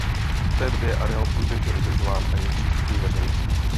Od té doby je areál průběžně udržován a je přístupný veřejnosti.